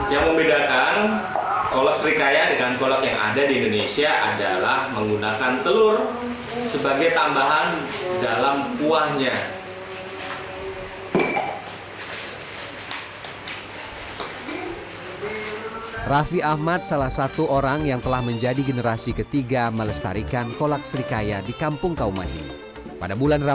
yang membedakan kolak serikaya dengan kolak yang ada di indonesia adalah menggunakan telur sebagai tambahan dalam kuahnya